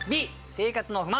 「生活の不満」。